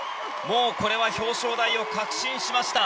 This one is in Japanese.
これは表彰台を確信しました。